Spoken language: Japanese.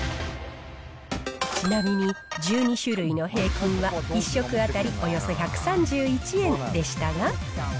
ちなみに１２種類の平均は、１食当たりおよそ１３１円でしたが。